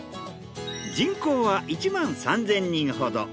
人口は１万３，０００人ほど。